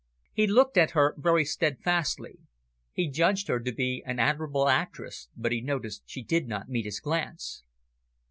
He looked at her very steadfastly. He judged her to be an admirable actress, but he noticed she did not meet his glance.